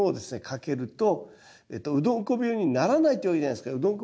かけるとうどんこ病にならないっていうわけじゃないですけどう